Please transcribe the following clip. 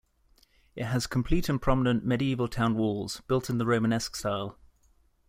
It has complete and prominent medieval town walls, built in the Romanesque style.